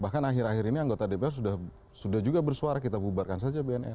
bahkan akhir akhir ini anggota dpr sudah juga bersuara kita bubarkan saja bnn